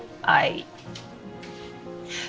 saya tau itu terdengar gila tapi